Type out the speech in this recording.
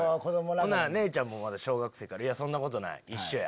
姉ちゃんもまだ小学生やから「いやそんなことない一緒や」。